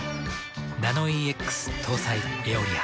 ナノイーＸ搭載「エオリア」。